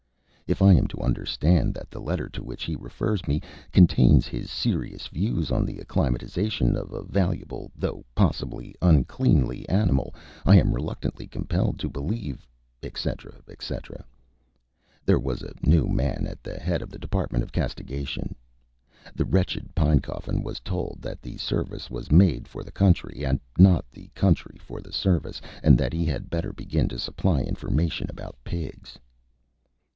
If I am to understand that the letter to which he refers me contains his serious views on the acclimatization of a valuable, though possibly uncleanly, animal, I am reluctantly compelled to believe," etc., etc. There was a new man at the head of the Department of Castigation. The wretched Pinecoffin was told that the Service was made for the Country, and not the Country for the Service, and that he had better begin to supply information about Pigs.